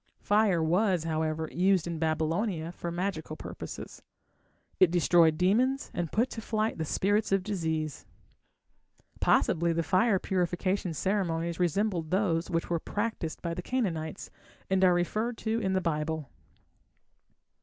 Fire was, however, used in Babylonia for magical purposes. It destroyed demons, and put to flight the spirits of disease. Possibly the fire purification ceremonies resembled those which were practised by the Canaanites, and are referred to in the Bible.